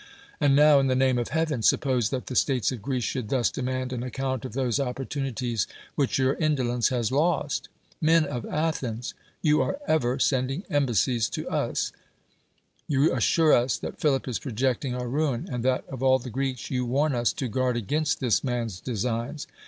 And now, in the name of Heaven ! suppose that the states of Greece should thus demand an account of those opportunities which your in dolence has lost: "Men of Athens! you are ever sending embassies to us; you assure us that Philip is projecting our ruin, and that, of all the Greeks, you warn us to guard against this man's designs."